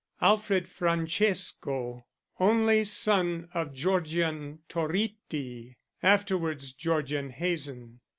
_Alfred Francesco, only son of Georgian Toritti afterwards Georgian Hazen.